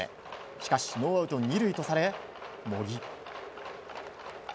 しかしノーアウト２塁とされ、茂木。